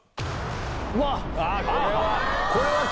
うわっ。